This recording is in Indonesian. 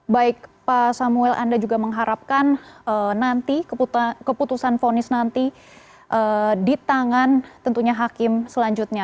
baik pak samuel anda juga mengharapkan nanti keputusan ponis nanti di tangan tentunya hakim selanjutnya